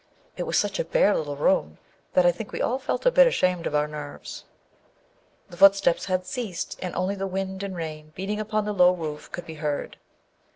It was such a bare little room that I think we all felt a bit ashamed of our nerves. The footsteps had ceased, and only the wind and rain, beating upon the low roof, could be heard.